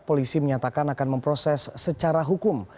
polisi menyatakan akan memproses secara hukum